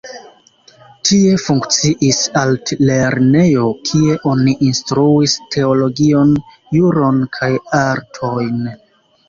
Tie funkciis altlernejo, kie oni instruis teologion, juron kaj artojn.